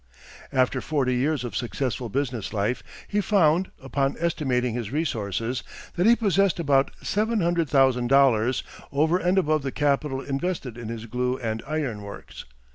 After forty years of successful business life, he found, upon estimating his resources, that he possessed about seven hundred thousand dollars over and above the capital invested in his glue and iron works.